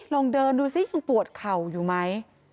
ลองเดินดูสิยังปวดเข่าอยู่ไหม